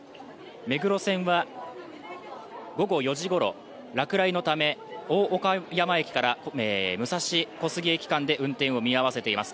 目黒線は、午後４時ごろ落雷のため大岡山駅から武蔵小杉駅間で運転を見合わせています。